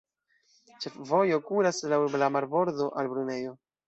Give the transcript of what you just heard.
Ĉefvojo kuras laŭ la marbordo al Brunejo.